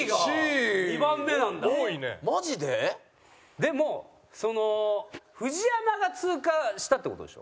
でもそのＦＵＪＩＹＡＭＡが通過したって事でしょ？